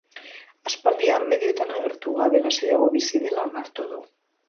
Aspaldian medioetan agertu gabe, lasaiago bizi dela onartu du.